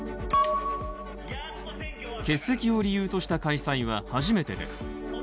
欠席を理由とした開催は初めてです。